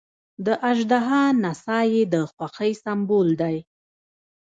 د اژدها نڅا یې د خوښۍ سمبول دی.